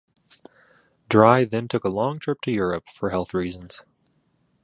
Dry then took a long trip to Europe for health reasons.